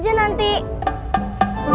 udah lah angkotnya rame